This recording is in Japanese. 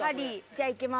じゃあいきます。